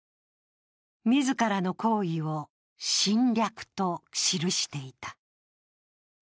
自らの行為を侵略と記していた。